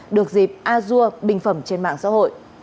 được dịp azure bình phẩm trên mạng xã hội